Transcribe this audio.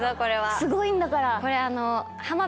すごいんだから！